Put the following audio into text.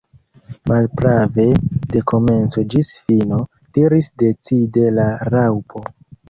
"Malprave, de komenco ĝis fino," diris decide la Raŭpo.